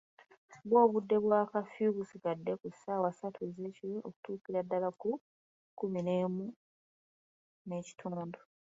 Bwo obudde bwa kafiyu busigadde ku ssaawa ssatu ezeekiro okutuukira ddala ku kkumi n'emu n’ekitundu.